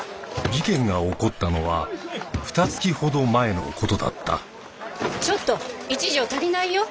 事件が起こったのはふたつきほど前のことだったちょっと一畳足りないよ。